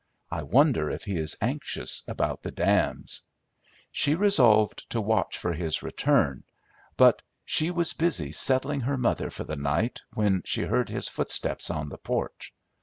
"I wonder if he is anxious about the dams." She resolved to watch for his return, but she was busy settling her mother for the night when she heard his footsteps on the porch.